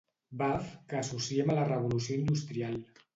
Baf que associem a la revolució industrial.